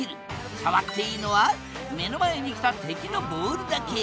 触っていいのは目の前に来た敵のボールだけ。